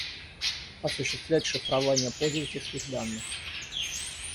Осуществлять шифрование пользовательских данных